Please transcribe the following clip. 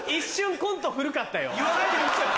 言わないでください